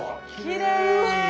きれい！